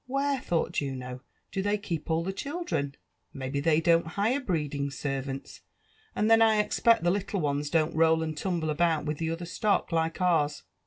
''Where,'' thought Juno, ''do they keep all the children?— Mayhem tbey don't hire breeding servants ^and then I expect the little ones don't roll and tumble about with the other stock, like ours.'